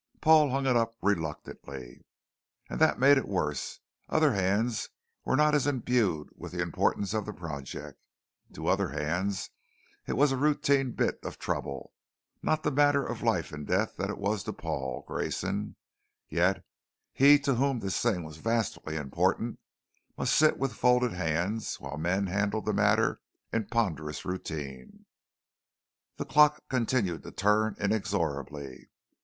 Paul hung it up reluctantly. And that made it worse. Other hands were not as imbued with the importance of the project. To other hands it was a routine bit of trouble, not the matter of life and death that it was to Paul Grayson; yet he to whom this thing was vastly important must sit with folded hands while men handled the matter in ponderous routine. The clock continued to turn inexorably.